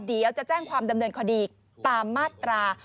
เดี๋ยวจะแจ้งความดำเนินคดีตามมาตรา